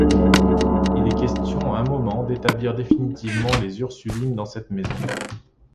Il est question un moment d'établir définitivement les Ursulines dans cette maison.